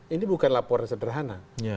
ini bukan laporan sederhana